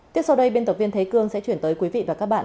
tiếp sau đây biên tập viên thế cương sẽ chuyển tới quý vị và các bạn